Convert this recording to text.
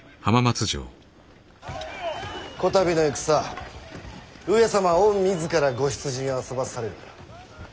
こたびの戦上様御自らご出陣あそばされる。